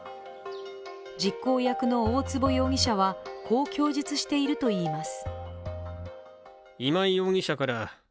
実行役の大坪容疑者は、こう供述しているといいます。